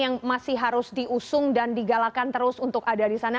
yang masih harus diusung dan digalakan terus untuk ada di sana